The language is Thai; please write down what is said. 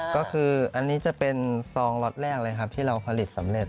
ก็คืออันนี้จะเป็นซองล็อตแรกเลยครับที่เราผลิตสำเร็จ